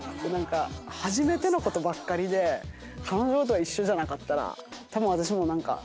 初めてのことばっかりで彼女と一緒じゃなかったらたぶん私もう何か何だ？